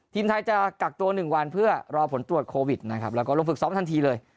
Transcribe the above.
ทีมไทยจะกักตัว๑วันเพื่อรอผลตรวจโควิดนะครับแล้วก็ลงฝึกซ้อมทันทีเลย